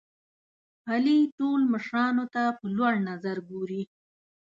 علي ټول مشرانو ته په لوړ نظر ګوري.